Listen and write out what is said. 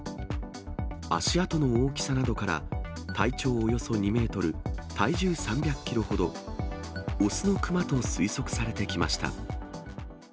足跡の大きさなどから、体長およそ２メートル、体重３００キロほど、雄のクマと推測されてきました。